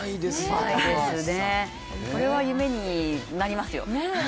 これは夢になりますよ。